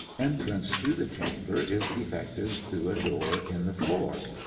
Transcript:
Entrance to the chamber is effected through a door in the floor.